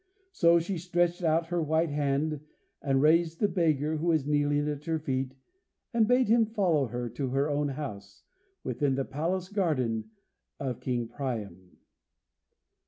So she stretched out her white hand, and raised the beggar, who was kneeling at her feet, and bade him follow her to her own house, within the palace garden of King Priam.